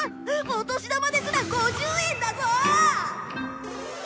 お年玉ですら５０円だぞ！